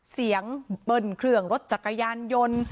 เบิ้ลเครื่องรถจักรยานยนต์